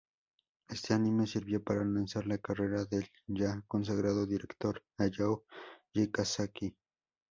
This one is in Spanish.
Este anime sirvió para lanzar la carrera del ya consagrado director Hayao Miyazaki.